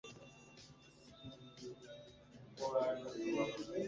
akabona ko afite ijisho rimwe ribi - icyo twita ijisho rya cowrie-shell